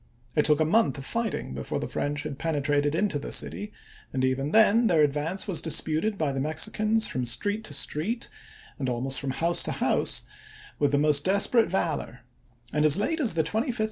It took a month of fighting before the French had penetrated into the city, and even then their ad vance was disputed by the Mexicans from street to street, and almost from house to house, with the MAXIMILIAN 397 most desperate valor, and as late as the 25th of chap.